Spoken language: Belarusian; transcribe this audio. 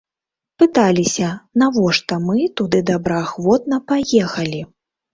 Пыталіся, навошта мы туды добраахвотна паехалі?